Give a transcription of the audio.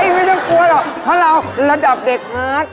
เฮ้ยไม่ต้องกลัวเนอะเพราะเราระดับเด็ดมาก